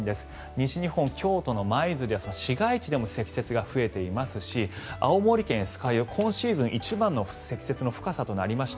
西日本、京都の舞鶴では市街地でも積雪が増えていますし青森県酸ケ湯今シーズン一番の積雪の深さとなりました。